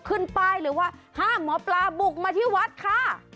ขึ้นป้ายเลยว่าห้ามหมอปลาบุกมาที่วัดค่ะ